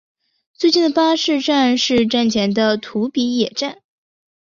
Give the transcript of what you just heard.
最近的巴士站是站前的土笔野站。